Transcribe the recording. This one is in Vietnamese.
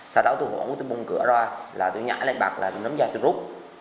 sau đó tôi hỗn tôi bung cửa ra tôi nhảy lên bạc là tôi nắm da tôi rút